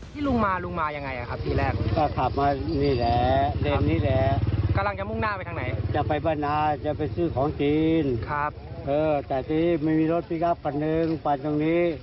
แต่น้องมันก็มาไว้มาจากด้านโรศัพท์นี้